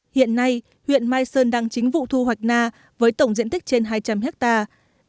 hiện nay huyện mai sơn đang chính vụ thu hoạch na với tổng diện tích trên hai trăm linh hectare